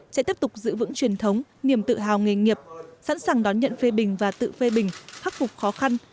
sẽ tiếp tục giữ vững truyền thống niềm tự hào nghề nghiệp sẵn sàng đón nhận phê bình và tự phê bình khắc phục khó khăn